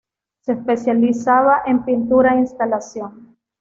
Se especializaba en pintura e instalación.